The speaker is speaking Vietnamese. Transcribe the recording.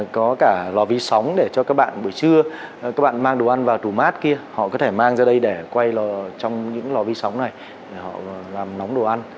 có cả lò vi sóng để cho các bạn buổi trưa các bạn mang đồ ăn vào tù mát kia họ có thể mang ra đây để quay l trong những lò vi sóng này để họ làm nóng đồ ăn